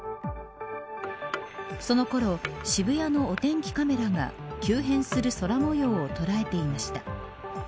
そのころ、渋谷のお天気カメラが急変する空模様を捉えていました。